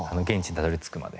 たどり着くまで？